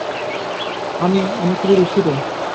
আমি-- আমি খুবই দুঃখিত।